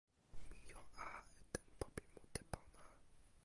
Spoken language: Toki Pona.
mi jo a e tenpo pi mute pona.